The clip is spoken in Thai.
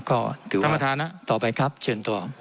ก็ถือว่าต่อไปครับเชิญต่อ